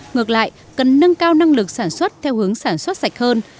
ngược lại cần nâng cao năng lực sản xuất theo hướng sản xuất sạch hơn